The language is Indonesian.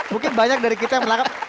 mungkin banyak dari kita yang menangkap